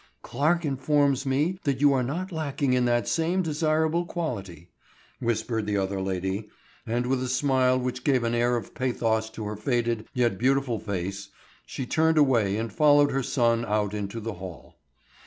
"Clarke informs me that you are not lacking in that same desirable quality," whispered the other lady, and with a smile which gave an air of pathos to her faded yet beautiful face, she turned away and followed her son out into the hall.